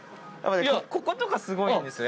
こことかすごいんですよ